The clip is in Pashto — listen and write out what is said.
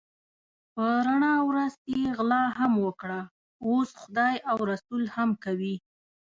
په رڼا ورځ یې غلا هم وکړه اوس خدای او رسول هم کوي.